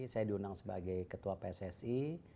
saya diundang sebagai ketua pssi